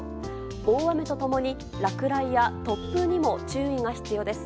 大雨と共に落雷や突風にも注意が必要です。